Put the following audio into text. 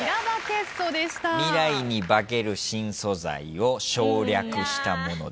「未来に化ける新素材」を省略したものです。